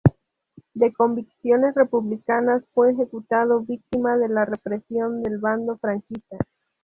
De convicciones republicanas, fue ejecutado víctima de la represión del bando franquista.